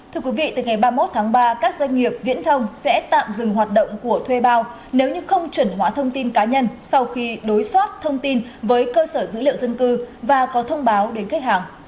thưa quý vị từ ngày ba mươi một tháng ba các doanh nghiệp viễn thông sẽ tạm dừng hoạt động của thuê bao nếu như không chuẩn hóa thông tin cá nhân sau khi đối soát thông tin với cơ sở dữ liệu dân cư và có thông báo đến khách hàng